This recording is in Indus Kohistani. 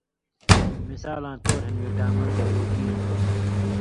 مثالاں طور ہِن وٹامن پروٹین